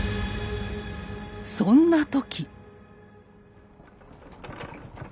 そんな時。